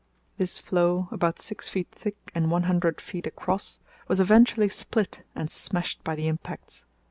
This floe, about six feet thick and 100 ft. across, was eventually split and smashed by the impacts.